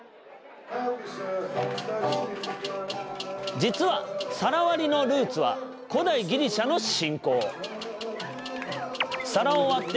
実は皿割りのルーツは古代ギリシャの信仰。